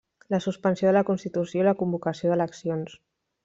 La suspensió de la Constitució i la convocació d'eleccions.